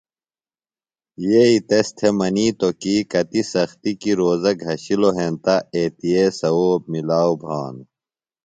یئی تس تھےۡ منِیتوۡ کی کتیۡ سختیۡ کیۡ روزوہ گھشِلوۡ ہینتہ اتِئے ثوؤب مِلاؤ بھانوۡ۔